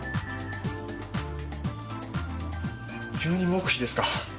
急に黙秘ですか。